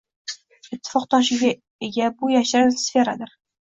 ittifoqdoshiga ega, bu “yashirin sferadir”.